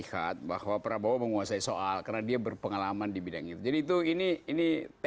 karena dia berpengalaman di bidang itu jadi itu ini ini